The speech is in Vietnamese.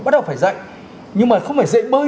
bắt đầu phải dạy nhưng mà không phải dễ bơi